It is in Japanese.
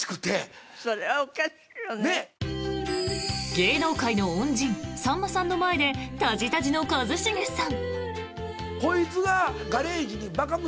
芸能界の恩人さんまさんの前でたじたじの一茂さん。